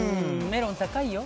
メロン、高いよ。